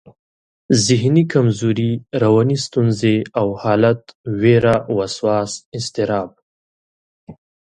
ذهني کمزوري، رواني ستونزې او حالت، وېره، وسواس، اضطراب